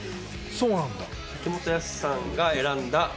そうなんだ。